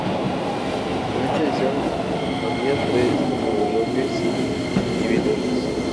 En esta edición había tres contrarrelojes individuales.